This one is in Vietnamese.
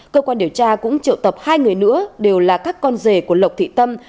cơ quan điều tra cũng triệu tập hai người nữa đều là các con rể của lộc thị tâm